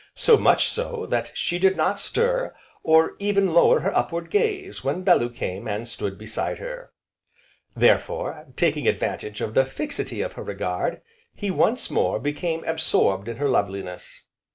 So much so, that she did not stir, or even lower her up ward gaze, when Bellew came, and stood beside her. Therefore, taking advantage of the fixity of her regard, he, once more, became absorbed in her loveliness.